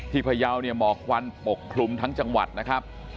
พยาวเนี่ยหมอกควันปกคลุมทั้งจังหวัดนะครับ